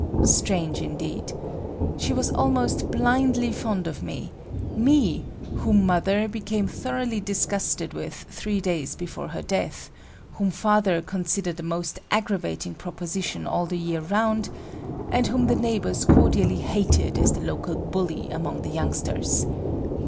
Strange, indeed! She was almost blindly fond of me,—me, whom mother, became thoroughly disgusted with three days before her death; whom father considered a most aggravating proposition all the year round, and whom the neighbors cordially hated as the local bully among the youngsters.